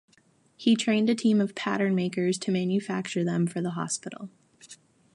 He trained a team of pattern-makers to manufacture them for the hospital.